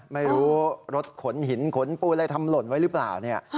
ไม่รู้รถขนหินขนปูนอะไรทำหล่นไว้หรือเปล่าเนี่ย